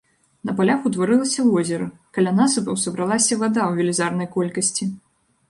На палях ўтварылася возера, каля насыпаў сабралася вада ў велізарнай колькасці.